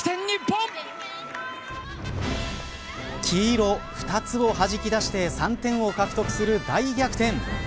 黄色２つをはじき出して３点を獲得する大逆転。